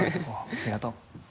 ありがとう。